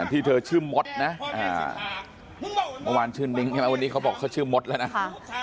ที่เธอชื่อมดนะเมื่อวานชื่อนิ้งวันนี้เขาบอกว่าเธอชื่อมดแล้วนะ